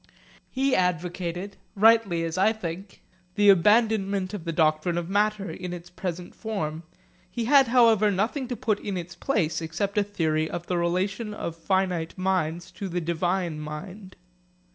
He advocated, rightly as I think, the abandonment of the doctrine of matter in its present form. He had however nothing to put in its place except a theory of the relation of finite minds to the divine mind.